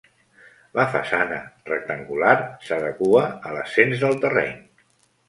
La façana, rectangular, s'adequa a l'ascens del terreny.